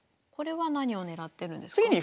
これは何を狙ってるんですか？